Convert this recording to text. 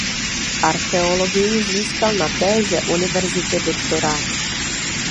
V archeologii získal na téže univerzitě doktorát.